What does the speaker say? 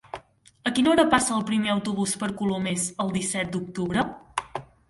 A quina hora passa el primer autobús per Colomers el disset d'octubre?